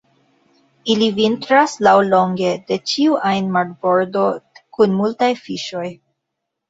Ili vintras laŭlonge de ĉiu ajn marbordo kun multaj fiŝoj.